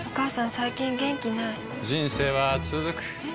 最近元気ない人生はつづくえ？